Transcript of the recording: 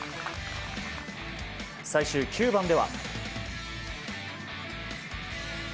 最終９番では。